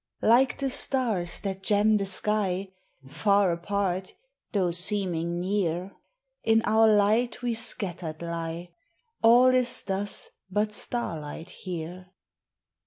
Like the stars that gem the sky, Far apart, though seeming near, In our light we scattered lie; All is thus but starlight here.